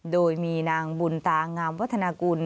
โดยมีนางบุญตางามวัฒนากุล